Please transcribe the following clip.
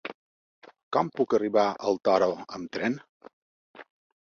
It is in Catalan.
Com puc arribar al Toro amb tren?